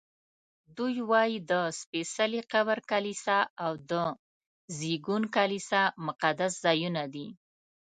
دوی وایي د سپېڅلي قبر کلیسا او د زېږون کلیسا مقدس ځایونه دي.